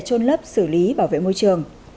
trôn lấp xử lý bảo vệ môi trường